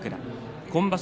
今場所